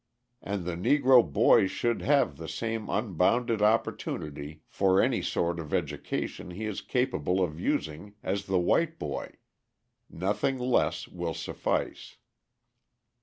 And the Negro boy should have the same unbounded opportunity for any sort of education he is capable of using as the white boy; nothing less will suffice.